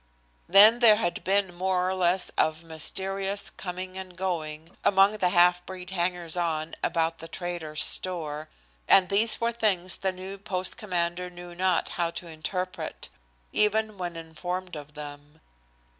Then there had been more or less of mysterious coming and going among the halfbreed hangers on about the trader's store, and these were things the new post commander knew not how to interpret, even when informed of them.